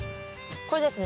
これですね？